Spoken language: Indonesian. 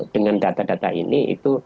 dengan data data ini